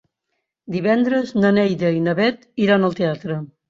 Divendres na Neida i na Bet iran al teatre.